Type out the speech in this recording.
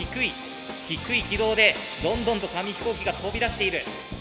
低い軌道でどんどんと紙飛行機が飛び出している。